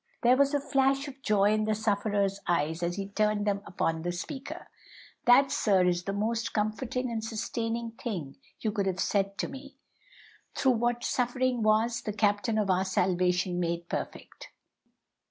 There was a flash of joy in the sufferer's eyes as he turned them upon the speaker, "That, sir, is the most comforting and sustaining thing you could have said to me! Through what suffering was the Captain of our salvation made perfect!